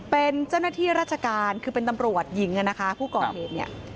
เป็นเจ้าหน้าที่ราชการคือเป็นตำรวจหญิงอะนะคะผู้ก่อเหตุเนี่ย